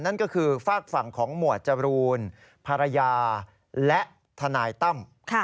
นั่นก็คือฝากฝั่งของหมวดจรูนภรรยาและทนายตั้ม